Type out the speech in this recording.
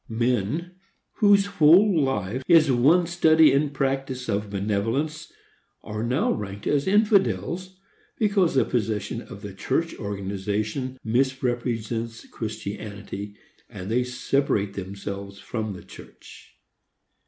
Men, whose whole life is one study and practice of benevolence, are now ranked as infidels, because the position of church organizations misrepresents Christianity, and they separate themselves from the church.